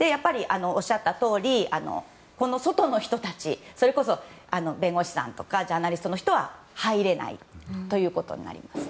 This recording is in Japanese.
おっしゃったとおり外の人たちそれこそ弁護士さんとかジャーナリストの人は入れないことになります。